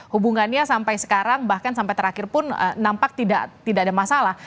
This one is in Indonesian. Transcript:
hubungannya sampai sekarang bahkan sampai terakhir pun nampak tidak ada masalah